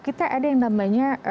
kita ada yang namanya